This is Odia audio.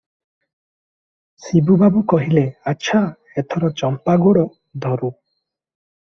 ଶିବୁ ବାବୁ କହିଲେ, "ଆଚ୍ଛା, ଏଥର ଚମ୍ପା ଗୋଡ଼ ଧରୁ ।"